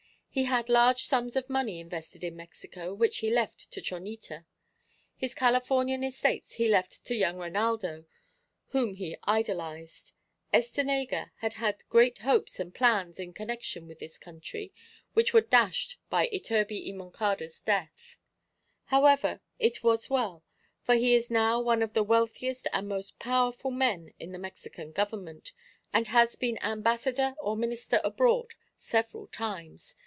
He had large sums of money invested in Mexico which he left to Chonita. His Californian estates he left to young Reinaldo, whom he idolised. Estenega had had great hopes and plans in connection with this country which were dashed by Iturbi y Moncada's death. However, it was as well, for he is now one of the wealthiest and most powerful men in the Mexican government, and has been ambassador or minister abroad several times.